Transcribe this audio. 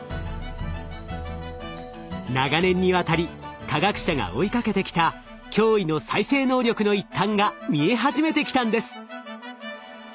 長年にわたり科学者が追いかけてきた驚異の再生能力の一端が見え始めてきたんです。